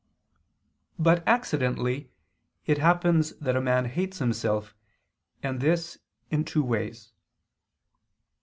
But accidentally it happens that a man hates himself: and this in two ways.